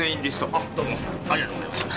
あどうもありがとうございます。